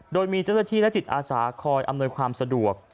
โดยมีเจ้าหน้าที่และจิตอาสาคอยอำนวยความสะดวก